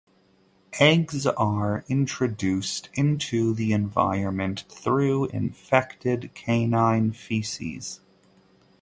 Eggs are introduced into the environment through infected canine feces.